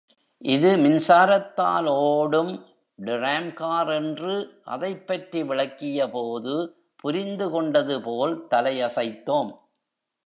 இது மின்சாரத்தால் ஒடும் DRAM car என்று அதைப் பற்றி விளக்கியபோது, புரிந்துகொண்டது போல் தலையசைத்தோம்.